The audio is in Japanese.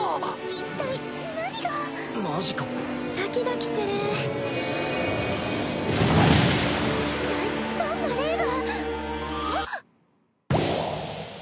一体何がマジかドキドキする一体どんな霊があっ！